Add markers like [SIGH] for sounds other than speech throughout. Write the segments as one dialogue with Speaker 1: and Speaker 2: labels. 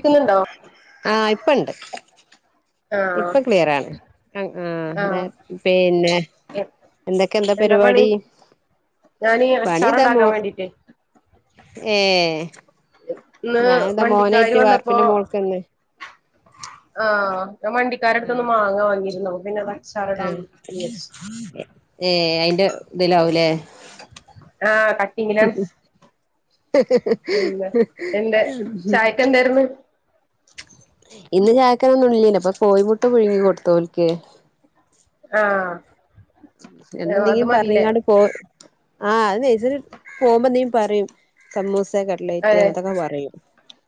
Speaker 1: ക്കിലോണ്ടോ
Speaker 2: ആഹ് ഇപ്പണ്ട്
Speaker 1: ആഹ്
Speaker 2: ഇപ്പ ക്ലിയറാണ് ആഹ് ആഹ് നേ പിന്നെ
Speaker 1: എ
Speaker 2: എന്തെക്കെ എന്താ പരിപാടി
Speaker 1: ഞാനീ
Speaker 2: പണി ഇതാ മോ
Speaker 1: അച്ചാറൊണ്ടാക്കാൻ വേണ്ടീട്ടെ
Speaker 2: ഏഹ്
Speaker 1: ഇന്ന്
Speaker 2: ഞാനിതാ
Speaker 1: വണ്ടിക്കാര്
Speaker 2: മോനായിട്ട്
Speaker 1: വന്നപ്പോ
Speaker 2: വാർപ്പിന്റെ മോൾക്ക്ന്ന്
Speaker 1: ആഹ് ഞാ വണ്ടിക്കാരെടുത്തുന്ന് മാങ്ങ വാങ്ങിയിരുന്നു പിന്നെന്താ
Speaker 2: ഉം ഏഹ് അയിന്റെ തിലാവൂലേ
Speaker 1: ആഹ് കട്ടിങ്ങിലാണ്
Speaker 2: [INAUDIBLE]
Speaker 1: ചായക്കെന്താരുന്ന്
Speaker 2: ഇന്ന് ചായക്കൊന്നു ഇല്ലേനു പ്പൊ കോഴിമുട്ട പുഴുങ്ങി കൊടുത്തോൽക്ക്
Speaker 1: ആഹ്
Speaker 2: എന്നും
Speaker 1: അത്
Speaker 2: നീയും
Speaker 1: മതില്ലേ
Speaker 2: പറഞ്ഞങ്ങാണ്ട് പോ ആഹ് അത് നേഴ്സറി പോവുമ്പോ നീ പറയ് സമൂസ കട്ലെറ്റ്
Speaker 1: അതെ
Speaker 2: അങ്ങനത്തൊക്കെ പറയും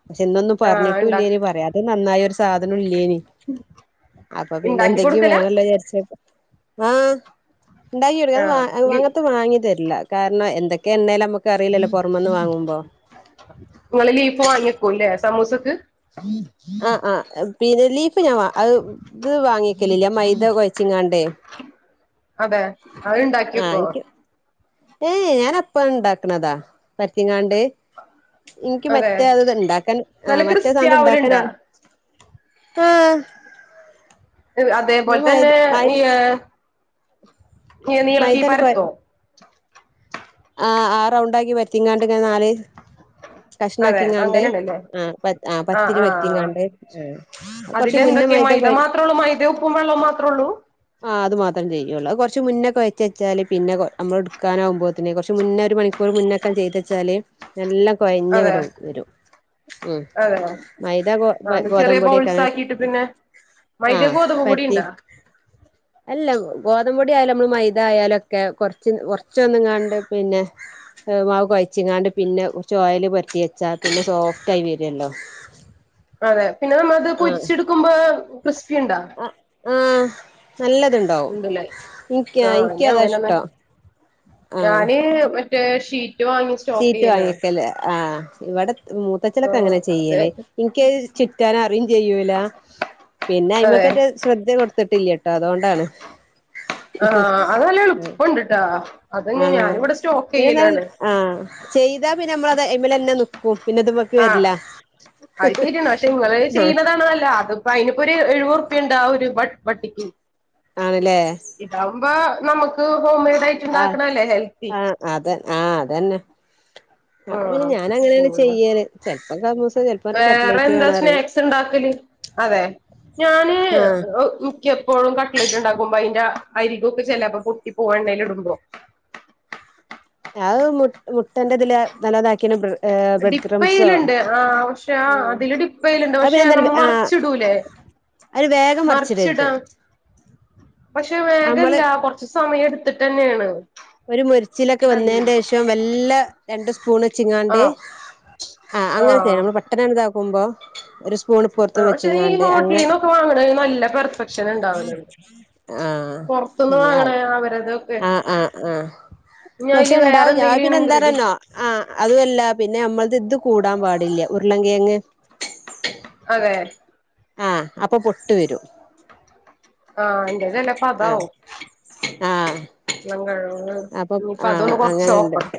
Speaker 2: പക്ഷെ ഇന്നൊന്നും
Speaker 1: ആഹ് ഇണ്ടാ
Speaker 2: പറഞ്ഞിട്ടൂല്ലേനി പറയാ അത് നന്നായി ഒരു സാധനോ ഇല്ലേനി അപ്പൊ പിന്നെ
Speaker 1: ഇണ്ടാക്കി
Speaker 2: ഏന്തൊക്കെ
Speaker 1: കൊടുക്കലാ
Speaker 2: വേണല്ലോ വിചാരിച്ച് ആഹ് ഇണ്ടായിറയും
Speaker 1: ആഹ്
Speaker 2: അത് വാ
Speaker 1: ലീ
Speaker 2: അങ്ങത്ത വാങ്ങി തരില്ല കാരണം എന്തൊക്കെയെണ്ണേല നമു ക്കറിയിലല്ലോ പൊറമെന്ന് വാങ്ങുമ്പോ
Speaker 1: നിങ്ങള് ലീഫ് വാങ്ങി വെക്കൂലെ സമൂസക്ക്
Speaker 2: ആഹ് ആഹ് പിന്നെ ലീഫ് ഞാൻ അത് ഇത് വാങ്ങിക്കലില്ല മൈദ കൊഴച്ചിങ്ങാണ്ടേ
Speaker 1: അതെ അതിണ്ടാക്കി വെക്കോ
Speaker 2: ഏഹ് ഞാനപ്പണ്ടാക്കണതാ പരത്തിങ്ങാണ്ട് നിക്ക്
Speaker 1: അതെ
Speaker 2: മറ്റേത്ണ്ടാക്കാൻ ആ
Speaker 1: നല്ല
Speaker 2: മറ്റേ
Speaker 1: ക്രിസ്പി
Speaker 2: സാന്തണ്ടാക്കനാ
Speaker 1: ആവലുണ്ടാ
Speaker 2: ഏഹ്
Speaker 1: അതേപോലെ തന്നെ ഈയ് ഇങ്ങ നീളത്തി
Speaker 2: മൈദ
Speaker 1: പരത്തും.
Speaker 2: ആ ആ റൗണ്ടാആാക്കി പരത്തിങ്ങാണ്ട് ഇങ്ങനെ നാല്.
Speaker 1: അതെ
Speaker 2: കഷ്ണാക്കിങ്ങാണ്ട്
Speaker 1: അങ്ങനെയണല്ലേ
Speaker 2: ആ പ ആ പത്തിരി പരത്തിങ്ങാണ്ട് ആ [UNINTELLIGIBLE]
Speaker 1: അതിലെന്തൊക്കെ മൈദ മാത്രേ ഉള്ളൂ മൈദേംഉപ്പും വെള്ളോം മാത്രം ഉള്ളൂ.
Speaker 2: ആ് അത് മാത്രം ചെയ്യൊള്ളൂ അത് കൊറച്ച് മുന്നെ കൊയച്ച് വെച്ചാല് പിന്നെ നമ്മൾ. എടുക്കാനാവുമ്പത്തേനെ കുറച്ച് മുന്നേ ഒരു മ [UNINTELLIGIBLE] മുന്നക്കം ചെയ്തെച്ചാല് നല്ല കൊഴഞ്ഞ്
Speaker 1: അതെ
Speaker 2: ങ്ങട് വരും. ഉം
Speaker 1: അതെ
Speaker 2: മൈദ ഗോ
Speaker 1: ആഹ് ചെറിയ
Speaker 2: ഗോതമ്പ്
Speaker 1: ബൗൾസ്
Speaker 2: പൊടിയാണെ.
Speaker 1: ആക്കിട്ട് പിന്നെ
Speaker 2: ആ
Speaker 1: മൈദ ഗോതമ്പ് പൊടി
Speaker 2: പരത്തി.
Speaker 1: ഉണ്ടാ
Speaker 2: അല്ല ഗോതമ്പ് പൊടി ആയാലും നമ്മൾ മൈദ ആയാലും ഒക്കെ കൊറച്ച് കൊറച്ചൊന്നുങ്ങാണ്ട് പിന്നെ. [UNINTELLIGIBLE] പിന്നെ. ചോഓയിൽ പെരറ്റി വെച്ചാ പിന്നെ സോഫ്റ്റായി വരുമല്ലോ?
Speaker 1: അതെ പിന്നെ നമ്മ ളത് പൊരിച്ചെടുക്കുമ്പോ ക്രിസ്പി യുണ്ടോ?
Speaker 2: ആ നല്ലത്ണ്ടാവും
Speaker 1: ഉണ്ടല്ലേ
Speaker 2: എനിക്ക്
Speaker 1: ആഹ് ഞാൻ
Speaker 2: എനിക്കതാ
Speaker 1: അങ്ങനെന്ന
Speaker 2: ഇഷ്ടം. ആഹ്
Speaker 1: ഞാന് മറ്റേ ഷീറ്റ് വാങ്ങിച്ച്.
Speaker 2: ഷീറ്റ് വാങ്ങിക്കല്ലേ ആ ഇവിടെ മൂത്തച് നൊക്കെ
Speaker 1: ആഹ്
Speaker 2: അങ്ങനാ
Speaker 1: അതെ
Speaker 2: ചെയ്യല്. നിക്ക് ചുറ്റാനറിയും ചെയ്യൂല പിന്നെ
Speaker 1: അതെ
Speaker 2: അയ്മ േക്കറ്റെ. [UNINTELLIGIBLE] ശ്രദ്ധ കൊടുത്തിട്ടില്ലാട്ടോ അതൊണ്ടാണ്.
Speaker 1: ആഹ് അത് നല്ല എളുപ്പം ഉണ്ടിട്ടാ അത് തന്നെ ഞാനിവിടെ സ്റ്റോക്ക് ചെയ്യലാണ്.
Speaker 2: ആഹ ചെയ്താ പിന്നെ നമ്മളത് അയി മലന്നെ [UNINTELLIGIBLE] നിക്കും. [UNINTELLIGIBLE]
Speaker 1: ആ അത് ശരിയാ പക്ഷെ ഇങ്ങള്
Speaker 2: ആഹ്
Speaker 1: ചെയ്യണതാണല്ല അത്. അപ്പ അയിനിപ്പൊരു എഴുപത് റുപ്പ്യുണ്ട് ആ ആ ഒരു വട്ടിക്ക്.
Speaker 2: ആണ്ല്ലേ?
Speaker 1: ഇതാവുമ്പോ നമുക്ക് ഹോം മെയ്ഡ് ആയിട്ട്.
Speaker 2: ആ
Speaker 1: ഉണ്ടാക്കണല്ലേ ഹെൽത്തി
Speaker 2: ആ അത് ആ അതന്നെ. അപ്പൊ പിന്നെ
Speaker 1: ആഹ്
Speaker 2: ഞാൻ
Speaker 1: ഉം
Speaker 2: അങ്ങനെയാണ് ചെയ്യല് ചെലപ്പം സമൂസ ചെലപം
Speaker 1: വേറെ
Speaker 2: കട്ലൈറ്റ്
Speaker 1: എന്താ
Speaker 2: വേണന്ന് പറയും.
Speaker 1: സ്നാക്സ് ഉണ്ടാക്കല് അതെ ഞാന്.
Speaker 2: ആഹ്
Speaker 1: എനിക്ക് എപ്പോഴും കട്ട്ലെറ്റ് ഇണ്ടാക്കുമ്പോ അതിന്റെ അരിക് ഒക്കെ ചെലേപ്പം പൊട്ടി പോവാ എണ്ണേൽ ഇടുമ്പോ.
Speaker 2: അത് മുട്ട മുട്ടന്റെ ഇതില് നലോ താക്കിയ.
Speaker 1: ഡിപ്പയലിണ്ട് ആ പക്ഷെ ആ അതില് ഡിപ്പയലിണ്ട്
Speaker 2: അത്
Speaker 1: പക്ഷേ നമ്മൾ മറിച്ചിടൂലേ?
Speaker 2: അയിന് വേഗം മറിച്ചിടരുത്.
Speaker 1: മറിച്ചിടാം പക്ഷെ
Speaker 2: നമ്മള്
Speaker 1: വേഗല്ല കൊറച്ച് സമയം എടുത്തിട്ട് തന്നെയാണ്.
Speaker 2: ഒരു മുരിച്ചിലൊക്കെ വന്നേന്റെ ശേഷം മെല്ലെ രണ്ട് സ്പൂൺ. ചിങ്ങാണ്ട്
Speaker 1: ആഹ്
Speaker 2: ആ അങ്ങനെ
Speaker 1: ആഹ്
Speaker 2: ചെയ്യണം നമ്മൾ പെട്ടനതാക്കുമ്പോ [INAUDIBLE]
Speaker 1: ആ പക്ഷെ ഈ ഹോട്ടലീന്നൊക്കെ വാങ്ങിണേന് നല്ല പെർഫെക്ഷൻ ഇണ്ടാവല്ലോ?
Speaker 2: ആ
Speaker 1: പുറത്തുന്ന്
Speaker 2: ഇനി
Speaker 1: വാങ്ങണേ
Speaker 2: ആവും
Speaker 1: അവരത്.
Speaker 2: ആ ആ ആ പക്ഷെ
Speaker 1: അയില് വേറെ
Speaker 2: ഇണ്ടാവും ഞൻ
Speaker 1: എന്തെങ്കിലും
Speaker 2: പിന്നെ എന്താ
Speaker 1: ഇൻഗ്രീഡി
Speaker 2: പറയണേ? [INAUDIBLE] ആഹ് അതുമല്ല പിന്നെ നമ്മളത് ഇത് കൂടാൻ പാടില്ല ഉരുളങ്കിയങ്ങ്.
Speaker 1: അതെ.
Speaker 2: ആ അപ്പൊ പൊട്ട് വരും.
Speaker 1: ആഹ് എന്റേത് ചെലപ്പോ
Speaker 2: ആഹ
Speaker 1: അതാവും
Speaker 2: ആഹ
Speaker 1: [UNINTELLIGIBLE]
Speaker 2: അപ്പൊ
Speaker 1: ഇനിയിപ്പ
Speaker 2: ആ
Speaker 1: അതൊന്ന് കൊറച്ച്
Speaker 2: അങ്ങനുണ്ട്.
Speaker 1: നോക്കണം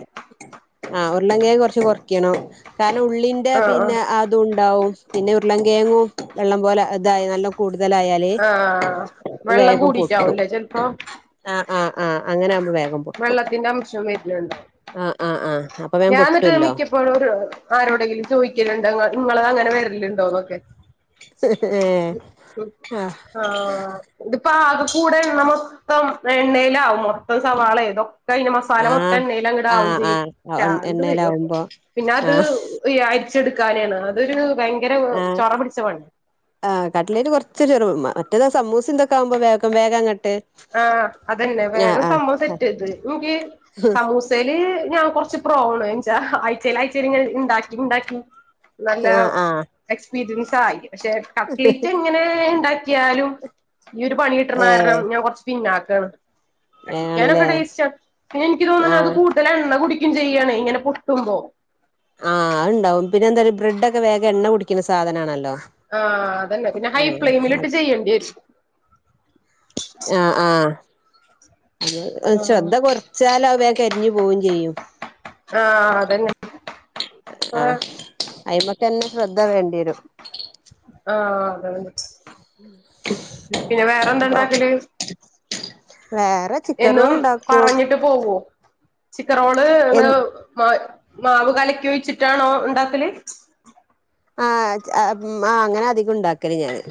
Speaker 2: ആ ഉരുളങ്കെയങ്ങ് കൊറച്ച് കൊറക്കണം കാരണം ഉള്ളിന്റെ
Speaker 1: ആഹ്
Speaker 2: പിന്നെ
Speaker 1: ആഹ്
Speaker 2: അതുഉണ്ടാവും. പിന്നെ ഉരുളങ്കെയങ്ങും വെള്ളം പോലെ ഇതായി നല്ല. കൂടുതലായാല്
Speaker 1: ആഹ് വെള്ളം
Speaker 2: വേഗം പൊട്ടും.
Speaker 1: കൂടിട്ടാവുംല്ലേ ചെലപ്പോ
Speaker 2: ആ ആ ആ അങ്ങനാവുമ്പളേ
Speaker 1: വെള്ളത്തിന്റെ അംശം വരുന്നുണ്ട്.
Speaker 2: ആ ആ ആ
Speaker 1: ഞാൻ അന്നിട്ട് മിക്കപ്പോഴും ആരോടെങ്കിലും ചോദിക്കലുണ്ട് നിങ്ങള് അങ്ങനെ വരല് ഉണ്ടോന്നൊക്കെ
Speaker 2: ഏഹ് ആഹ്
Speaker 1: [INAUDIBLE] ആഹ് ഇതിപ്പോ ആകെ കൂടെ എണ്ണ മൊത്തം എണ്ണയിലാവും മൊത്തം സവാള ഇത് കഴിഞ്ഞ് മസാല മൊത്തം
Speaker 2: ആഹ്
Speaker 1: എണ്ണയിൽ അങ്ങോട്ടാവും ചെയ്യും
Speaker 2: ആഹ് ആഹ്
Speaker 1: ഭ്രാന്ത് വരും അപ്പൊ
Speaker 2: എണ്ണയിലാവുമ്പോ
Speaker 1: പിന്നെ അത്
Speaker 2: ആഹ്
Speaker 1: അരിച്ചെടുക്കാനെയാണ് അതൊരു ഭയങ്കര
Speaker 2: ആഹ്
Speaker 1: ചൊറ പിടിച്ച പണിയാ
Speaker 2: ആഹ് കട്ടിലേറ്റ് കുറച്ചൊരു മറ്റേതാ സമൂസിം ഇതൊക്കെ ആവുമ്പോ വേഗം അങ്ങോട്ട്.
Speaker 1: ആഹ് അതന്നെ വേഗം സമ്മതം സെറ്റ് ചെയ്ത് എക്ക് സമൂ [UNINTELLIGIBLE] ഞാൻ കൊറച്ച് പ്രോ ആണ്വെച്ച ആഴ്ചയിൽ ആഴ്ചയിൽ ഇങ്ങനെ ഇണ്ടാക്കി ഇണ്ടാക്കി നല്ല
Speaker 2: ആഹ് ആഹ്
Speaker 1: എക്സ്പീരിയൻസ് ആയി പക്ഷെ കപ്പ്ക്ലറ്റ് എങ്ങനെ ഇണ്ടാക്കിയാലും ഈ ഒരു പണി കിട്ടുന്ന കാരണം ഞാൻ
Speaker 2: ഏഹ്
Speaker 1: കുറച്ച് പിന്നാക്കാണ് കഴക്കാനൊക്കെ
Speaker 2: ആണ്ല്ലേ
Speaker 1: ടേസ്റ്റാ പിന്നെ എനിക്ക് തോന്നണേ അത്
Speaker 2: ആഹ്
Speaker 1: കൂ ഇതല എണ്ണ കുടിക്കും ചെയ്യാണ് ഇങ്ങനെ പൊട്ടുമ്പോ
Speaker 2: ആഹ് അഹ്ണ്ടാവും പിന്നെ എന്താ ബ്രെഡൊക്കെ വേഗം എണ്ണ കുടിക്കുന്ന സാധനം ആണല്ലോ
Speaker 1: ആഹ് അതന്നെ പിന്നെ ഹൈ ഫ്ലെയിമിലിട്ട് ചെയ്യേണ്ടി വരും
Speaker 2: ആഹ് ആഹ്
Speaker 1: ആഹ്
Speaker 2: ശ്രദ്ധ കുറച്ചാല് അവ കരിഞ്ഞു പോവും ചെയ്യും
Speaker 1: ആഹ് അതന്നെ
Speaker 2: ആഹ് അയിമക്കന്നെ ശ്രദ്ധ വേണ്ടിവരും
Speaker 1: ആഹ് അതാണ് പിന്നെ വേറെന്താ
Speaker 2: അപ്പൊ
Speaker 1: ഇണ്ടാക്കല്
Speaker 2: വേറെ ചിക്കൻ
Speaker 1: എന്നും
Speaker 2: റോളുണ്ടാക്കും
Speaker 1: പറഞ്ഞിട്ട് പോവോ ചിക്കറോള്
Speaker 2: എൻ
Speaker 1: മാവ് കലക്കി ഒഴിച്ചിട്ടാണോ ഉണ്ടാക്കല്
Speaker 2: ആഹ് ആഹ് അങ്ങനെ അധികം ഉണ്ടാക്കല് ഞാന്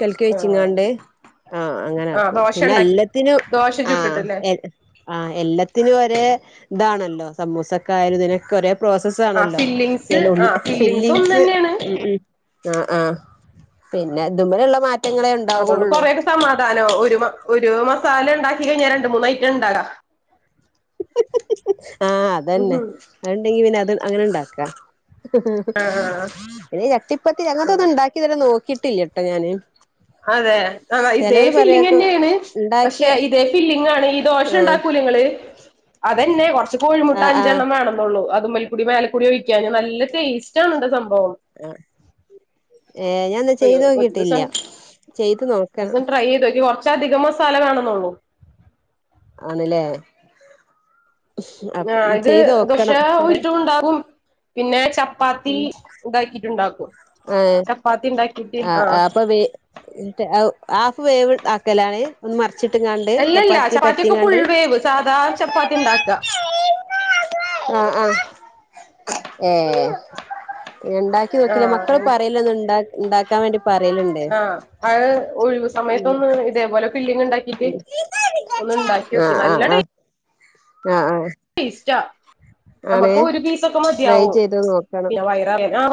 Speaker 2: കല്ക്കി
Speaker 1: ആഹ്
Speaker 2: വച്ചിങ്ങാണ്ട് ആഹ്
Speaker 1: ആഹ്
Speaker 2: അങ്ങനാക്കും
Speaker 1: ദോശ
Speaker 2: പിന്നെ
Speaker 1: ഇണ്ടാക്കി
Speaker 2: എല്ലത്തിനും
Speaker 1: ദോശ
Speaker 2: ആ
Speaker 1: ചുട്ടിട്ട്ല്ലേ
Speaker 2: ആഹ് എല്ലത്തിനും ഒരേ ഇതാണല്ലോ സമൂസക്കായാലും ഇതിനൊക്കെ ഒരേ
Speaker 1: ആഹ്
Speaker 2: പ്രോസസാണല്ലോ
Speaker 1: ഫില്ലിങ്സ്
Speaker 2: പിന്നെ ഉള്ള്
Speaker 1: ആഹ്
Speaker 2: ഫില്ലിങ്സ്
Speaker 1: ഒന്നന്നേണ്
Speaker 2: ഉം ഉം ആഹ് ആഹ് പിന്നെ ഇത് മലുള്ള മാറ്റ
Speaker 1: അതുകൊണ്ട് കൊറെ ഒക്കെ സമാധാനാവു ഒരു ഒരു മസാല ഉണ്ടാക്കി കഴിഞ്ഞാൽ രണ്ട് മൂന്ന് ഐറ്റം ഉണ്ടാക്കാ
Speaker 2: ആഹ് അതന്നെ
Speaker 1: ഉം
Speaker 2: അത്ണ്ടെങ്കി പിന്നെ അത് അങ്ങനെ ഇണ്ടാക്കാ
Speaker 1: ആഹ്
Speaker 2: പിന്നെ ചട്ടിപ്പത്തിരി അങ്ങനത്തെ ഒന്നും ഉണ്ടാക്കി തരാൻ നോക്കിട്ടില്ല ട്ടോ ഞാന്
Speaker 1: അതെ അ ഇതേ
Speaker 2: ചെലോര് പറയൊക്കെ
Speaker 1: ഫില്ലിങന്നെണ് പക്ഷെ
Speaker 2: ഉണ്ടാക്കിയ
Speaker 1: ഇതേ ഫില്ലിങ് ആണ് ഈ ദോശ
Speaker 2: ആഹ്
Speaker 1: ഉണ്ടാക്കൂല്ലേ നിങ്ങള് അതന്നെ കുറച്ച് കോഴിമുട്ട
Speaker 2: ആഹ്
Speaker 1: അഞ്ചെണ്ണം
Speaker 2: ആഹ്
Speaker 1: വേണെന്നള്ളൂ അതുമ്മൽ കുടി മേലക്കുടി ഒഴിക്കാൻ നല്ല ടേസ്റ്റാണ ഇണ്ട് സംഭവം
Speaker 2: ഏഹ് ഞാനാ ചെയ്ത് നോക്കിയിട്ടില്ല
Speaker 1: ഒരുസം ട്രൈ ചെയ്തോക്കി കുറച്ച് അധികം മസാല വേണമെന്നുള്ളു
Speaker 2: ആണ് ല്ലേ
Speaker 1: ആഹ് ഇത് ദശ
Speaker 2: നോക്കണം കൊറെ
Speaker 1: ഉറ്റും ഉണ്ടാകും പിന്നെ ചപ്പാത്തി ഇതാക്കിട്ടുണ്ടാക്കും
Speaker 2: ആഹ്
Speaker 1: ചപ്പാത്തി ഇണ്ടാ
Speaker 2: ആഹ് ഏഹ് അപ്പൊ വേ ഹാഫ് വേവ് ആക്കലാണ് ഒന്ന് മറിച്ചിട്ട് ക്കാണ്ട്
Speaker 1: അല്ലല്ല
Speaker 2: ചപ്പാത്തി
Speaker 1: ചപ്പാത്തിയൊക്കെ ഫുൾ
Speaker 2: പരത്തിക്കാണ്ട്
Speaker 1: വേവ് സാധാ ചപ്പാത്തി ഉണ്ടാക്കുക
Speaker 2: ആഹ് ആഹ് ഏഹ് ഇണ്ടാക്കി നോക്കില്ല മക്കള്
Speaker 1: ആഹ്
Speaker 2: പറയിലന്ന് ഇണ്ടാ ഉണ്ടാക്കാൻ വേണ്ടി പറയല്ണ്ട്
Speaker 1: അഹ് ഒഴിവു സമയത്തൊന്ന് ഇതേപോലെ ഫില്ലിംഗ് ഇണ്ടാക്കി ക്ക് ഇണ്ടാക്കിയോക്കി നല്ല ടേ
Speaker 2: ആഹ് ആഹ്
Speaker 1: ടെസ്റ്റാ നമുക്ക് ഒരു പീസ് ഒക്കെ
Speaker 2: ട്രൈ
Speaker 1: മതിയാവും
Speaker 2: ചെയ്ത് നോക്കണം
Speaker 1: പിന്നെ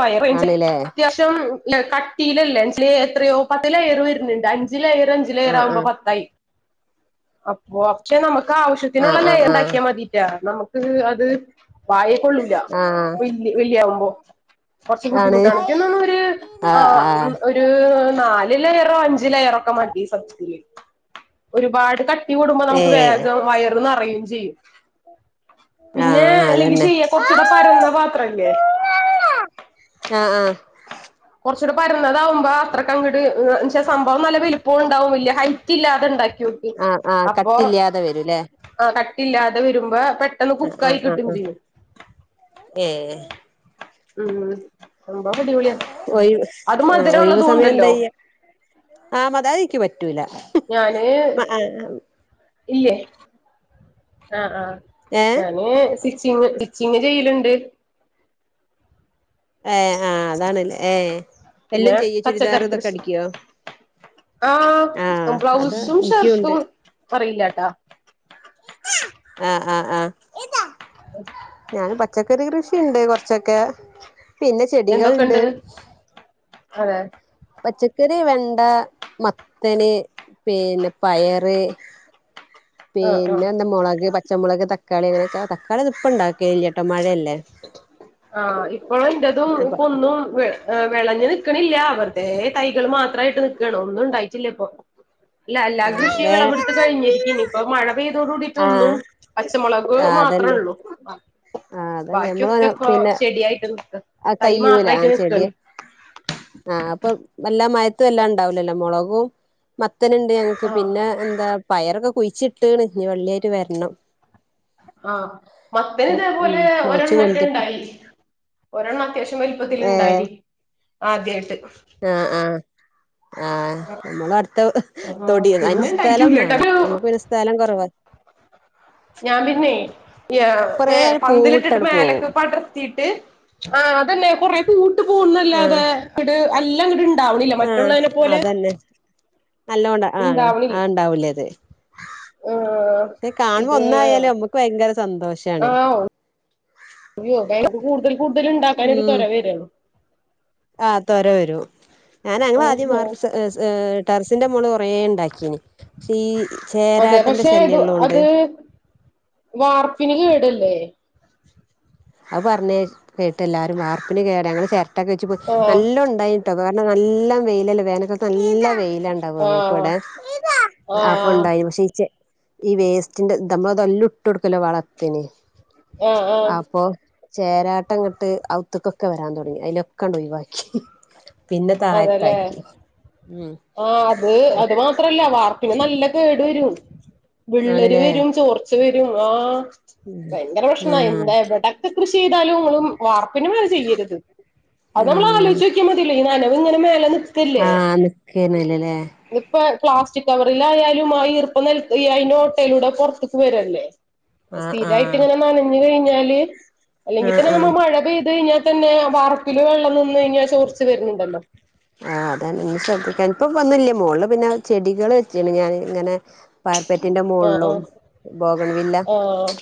Speaker 1: വയറു
Speaker 2: ആണ്ല്ലേ
Speaker 1: [UNINTELLIGIBLE] തും കട്ടിയിലല്ലേ എത്രയോ പത്ത് ലയർ വരുന്നുണ്ട് അഞ്ച് ലയർ അഞ്ച് ഞ്ച്
Speaker 2: ആ ആ
Speaker 1: ലയറാവുമ്പോ പത്തായി അപ്പൊ പക്ഷെ നമുക്ക്
Speaker 2: ആ
Speaker 1: ആവശ്യത്തിനുള്ള ലയർ
Speaker 2: ആ
Speaker 1: ആക്കിയാൽ മതി ഇല്ല നമുക്ക് അത് വായയിൽ കൊള്ളൂല
Speaker 2: ആ ആ
Speaker 1: വല്യ വല്യാവുമ്പോ കുറച്ച്
Speaker 2: ആണ്
Speaker 1: ബുദ്ധിമുട്ടാണ് എനിക്കുതോന്നുന്നു ഒരു ആഹ് ഉം ഒര് ഒര് നാല് ലയറോ അഞ്ച് ലയറോ ഒക്കെ മതി സത്യത്തിൽ ഒരുപാട് ക- ട്ടി കൂടുമ്പോ നമുക്ക്
Speaker 2: ഏഹ്
Speaker 1: വേഗം വയർ നിറയും ചെയ്യും പിന്നെ
Speaker 2: ആഹ്
Speaker 1: അല്ലെങ്കി
Speaker 2: അതന്നെ
Speaker 1: ചെയ്യ കൊറച്ചൂടെ പരന്ന പാത്രംല്ലേ
Speaker 2: ആഹ് ആഹ്
Speaker 1: കുറച്ചൂടി പരന്നതാവുമ്പോ അത്രക്കങട്ട് പക്ഷേ സംഭവം നല്ല വലുപ്പം ഉണ്ടാവും വല്ല്യ ഹൈറ്റ് ഇല്ലാതെ ഉണ്ടാക്കിനോക്ക്
Speaker 2: ആഹ് ആഹ് കട്ടില്ലാതെ വരുംല്ലേ
Speaker 1: ആഹ് കട്ടില്ലാതെ വരുമ്പോ പെ
Speaker 2: ആഹ് ആഹ് ആഹ് ഏഹ്
Speaker 1: ഉം സംഭവം അടിപൊളിയാ
Speaker 2: ഒഴിവ്
Speaker 1: അത്
Speaker 2: ആഹ്
Speaker 1: മധുരം
Speaker 2: ഒഴിവ്
Speaker 1: ഉള്ളതും
Speaker 2: സമയം
Speaker 1: ഉണ്ടല്ലോ
Speaker 2: എന്തായ്യ ആഹ് [UNINTELLIGIBLE] ക്ക് പറ്റൂല
Speaker 1: ഞാന് ഇല്ലേ ആഹ് ആഹ്
Speaker 2: ഏഹ്
Speaker 1: ഞാന് സ്റ്റിച്ചിങ് സ്റ്റിച്ചിങ് ചെയ്ലുണ്ട്
Speaker 2: ഏഹ് ആഹ് അതാണല്ലേ ഏ എല്ലാം
Speaker 1: പിന്നെ
Speaker 2: ചെയ്യോ ചുരിദാർ
Speaker 1: പച്ചക്കറി
Speaker 2: ഇതൊക്കെ
Speaker 1: കൃഷി
Speaker 2: അടിക്ക്യേ
Speaker 1: ആഹ്
Speaker 2: അത്
Speaker 1: ബ്ലൗസും
Speaker 2: എനിക്കുണ്ട്
Speaker 1: ഷർട്ടും അറിയില്ലട്ടാ
Speaker 2: ആഹ് ആഹ് ആഹ്
Speaker 1: [UNINTELLIGIBLE]
Speaker 2: ഞാൻ പച്ചക്കറി കൃഷിയുണ്ട് കുറച്ചൊക്കെ
Speaker 1: എന്തൊക്കെണ്ട് അതെ
Speaker 2: പച്ചക്കറി വെണ്ട മത്തന് പിന്നെ പയറ് [UNINTELLIGIBLE]
Speaker 1: ആഹ്
Speaker 2: പിന്നെ
Speaker 1: ആഹ്
Speaker 2: എന്താ മുളക് പച്ചമുളക് തക്കാളി ഇങ്ങനെ തക്കാളിയൊന്നും ഇപ്പം ഇണ്ടാക്കലില്ല ട്ടോ മഴയല്ലേ
Speaker 1: ആഹ് ഇപ്പോഴും എന്റെതും
Speaker 2: അപ്പൊ
Speaker 1: ഇപ്പൊന്നും വെ ഏഹ് വെളഞ്ഞ് നിക്കണില്ല വെറുതേ തൈകള് മാത്രാമായിട്ട് നിൽക്കാണ് ഒന്നും ഉണ്ടായിട്ടില്ല ഇപ്പൊ അല്ല എല്ലാം കൃഷി
Speaker 2: വേ
Speaker 1: വിളവെടുത്തു കഴിഞ്ഞിരിക്കാ ഇനി ഇപ്പ മഴ പെയ്തതോടു കൂടിയിട്ട് ഒന്നും
Speaker 2: ആഹ്
Speaker 1: പച്ചമുളക്
Speaker 2: ആഹ്
Speaker 1: മാത്രേ
Speaker 2: അതന്നെ
Speaker 1: ഉള്ളൂ
Speaker 2: ആഹ് അതന്നെ
Speaker 1: ബാക്കിയൊക്കെ
Speaker 2: നമ്മള്
Speaker 1: ഇപ്പൊ
Speaker 2: പിന്നെ
Speaker 1: ചെടിയായിട്ട് നിക്ക തൈ
Speaker 2: കയ്യൂല ആ ചെടി
Speaker 1: മാത്രയിട്ട്നിക്കാണ്
Speaker 2: ആഹ് അപ്പൊ എല്ലാ മയത്തും എല്ലാം ഉണ്ടാവിലല്ലോ മുളകും മത്തനുണ്ട് ഞങ്ങക്ക്
Speaker 1: ആഹ്
Speaker 2: പിന്നെ എന്താ പയറൊക്കെ കുഴിച്ചിട്ട്ണ് ഇനി വള്ളിയായിട്ട് വരണം
Speaker 1: ആഹ് മത്തന് ഇതേപോലെ
Speaker 2: ഉം മുളച്ചു
Speaker 1: ഒരെണ്ണം ഒക്കെ
Speaker 2: പൊന്തിട്ട്
Speaker 1: ഉണ്ടായി ഒരെണ്ണം അത്യാവശ്യം വലി
Speaker 2: ഏഹ്
Speaker 1: ത്തിലുണ്ടായി ആദ്യായിട്ട്
Speaker 2: ആഹ് ആഹ് ആഹ് നമ്മൾ അടുത്തത്ത്
Speaker 1: ആഹ്
Speaker 2: തൊടിയ അതിന്
Speaker 1: പിന്നെ
Speaker 2: സ്ഥലം വേണം
Speaker 1: ഇണ്ടായിട്ടൂല്ലട്ടോ
Speaker 2: നമുക്ക് പിന്നെ സ്ഥലം കൊറവാ
Speaker 1: ഞാൻ പിന്നെ ഈ
Speaker 2: കൊറേ
Speaker 1: മേ പന്തലിട്ടിട്ട്
Speaker 2: പൂവിട്ടട് പോവും
Speaker 1: മേലക്ക് പടർത്തിട്ട് ആഹ് അതെന്നെ കൊറെ പൂവിട്ട്
Speaker 2: ആഹ്
Speaker 1: പോവുംന്നല്ലാതെ ഇങ്ട് എല്ലാം ഇങ്ട്ട് ണ്ടാവണില്ല
Speaker 2: ആഹ്
Speaker 1: മറ്റുള്ളതിനെ പോലെ
Speaker 2: അതന്നെ നല്ലോണ്ട ആഹ്
Speaker 1: ഇണ്ടാവണില്ല
Speaker 2: ആഹ് ഉണ്ടാവൂലേ അത്
Speaker 1: ആഹ്
Speaker 2: ത് കാണുമ്പോ
Speaker 1: ഇത്
Speaker 2: ഒന്നായാലും നമ്മക്ക് ഭയങ്കര സന്തോഷാണ്
Speaker 1: അയ്യോവിളവ് കൂടുതൽ കൂടുതൽ ഉണ്ടാക്കാൻ ഒരു
Speaker 2: ഉം
Speaker 1: തൊര വെര്യാണ്
Speaker 2: ആഹ് തൊര വരൂം ഞാൻ ഞങ്ങൾ ആദ്യം
Speaker 1: ഓഹോ
Speaker 2: വാർപ്പ് ടെറസിന്റെ മോള് കൊറേ ഉണ്ടാക്കിയിനി പക്ഷേ ഈ
Speaker 1: അതെ
Speaker 2: ചേരാട്ടന്റെ
Speaker 1: പക്ഷെ ഇത്
Speaker 2: ശല്യള്ളോണ്ട്
Speaker 1: അത് വാർപ്പിന് കേടല്ലേ
Speaker 2: അത് പറഞ്ഞഞ് കേട്ട് എല്ലാവരും വാർപ്പിന് കേടാ ഞങ്ങള് ചിരട്ടൊക്കെ വെച്ച് പോയി
Speaker 1: ആഹ്
Speaker 2: നല്ലോണം ഉണ്ടായി കാരണം നല്ല വെയിലല്ലേ വേനൽകാലത്ത് നല്ല വെയിലാണ്ടാവോ നമുക്ക്
Speaker 1: ആഹ്
Speaker 2: ഇവിടെ ആപ്പൊ
Speaker 1: ആഹ്
Speaker 2: ഉണ്ടായി പക്ഷേ ച്ചെ ഈ വേസ്റ്റിന്റെ നമ്മള് തെല്ലാം ഇട്ട്ടുക്കല്ലോ വളത്തിന്
Speaker 1: ആഹ് ആഹ്
Speaker 2: അപ്പൊ ചേരാട്ടംങ്ങട്ട് ഔത്തക്കൊക്കെ വരാൻ തുടങ്ങി അതിനൊക്കെ ആണ്ട് ഒഴിവാക്കി പിന്നെ
Speaker 1: അതെല്ലേ
Speaker 2: താഴത്താക്കി ഉം
Speaker 1: ആ അത് അത് മാത്രല്ല വാർപ്പ് പിന്നെ നല്ല കേടു വരും വിള്ളല്
Speaker 2: ആണല്ലേ
Speaker 1: വരും ചോർച്ച് വരും ആഹ ഭയങ്കര പ്രശ്ന
Speaker 2: ആഹ്
Speaker 1: എന്താവിട കൃഷി എത്റ ചെയ്താലും നിങൾ വാർപ്പിനു മേലെ ചെയ്യരുത് അത് നമ്മൾ
Speaker 2: ആഹ്
Speaker 1: ആലോചിച്ച നോക്കിയാൽ മതിയല്ലേ അത്ഇങ്ങനെ മേലെ നിക്കല്ലേ
Speaker 2: ആഹ് നിക്കന്നല്ലല്ലേ
Speaker 1: ഇപ്പ പ്ലാസ്റ്റിക് കവറിലയാലും ആ ഈർപ്പം നൽ അയിന്റെ ഓട്ടയിലൂടെ പുറത്തേക്ക് വരല്ലേ
Speaker 2: ആഹ്
Speaker 1: സ്ഥിരായിട്ട്
Speaker 2: ആഹ്
Speaker 1: ഇങ്ങനെ നനഞ്ഞു കഴിഞ്ഞാല് അല്ലെങ്കി
Speaker 2: ആഹ്
Speaker 1: തന്നെ നമ്മ
Speaker 2: ആഹ്
Speaker 1: മഴ പെയ്ത് കഴിഞ്ഞാൽ തന്നെ വറപ്പില വെള്ളം നിന്ന് കഴിഞ്ഞാൽ ചോർച്ച് വരുന്നുണ്ടല്ലോ
Speaker 2: ആ അത ഇന്ന് ശ്രദ്ധിക്കാൻ ഇപ്പ വന്നില്ല മോളില് പിന്നെ ചെടികള് വെ ച്ച്ക്ക്ണ്ഞാൻ ഇങ്ങനെ പാരപ്പറ്റിന്റെ
Speaker 1: ആഹ്
Speaker 2: മുകളിലും ബോഗൺ വില്ല
Speaker 1: ആഹ് ആഹ്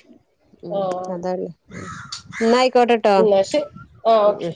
Speaker 2: ഉം
Speaker 1: ആഹ്
Speaker 2: അതാണ്ന്നായിക്കോട്ടെട്ടോ
Speaker 1: എന്നാ ശരി ആ
Speaker 2: ഉ ഉ
Speaker 1: ഓക്കെ